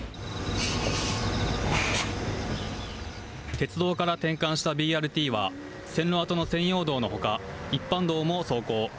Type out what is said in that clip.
鉄道から転換したＢＲＴは、線路跡の専用道のほか、一般道も走行。